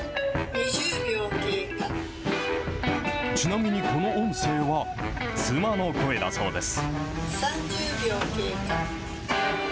ちなみにこの音声は、妻の声だそうです。